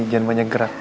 jangan banyak gerak